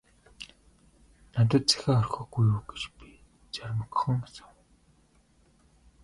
- Надад захиа орхиогүй юу гэж би зоримогхон асуув.